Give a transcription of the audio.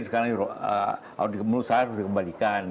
sekarang harus dikembalikan